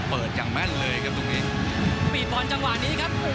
อย่างแม่นเลยครับตรงนี้ปีบอลจังหวะนี้ครับ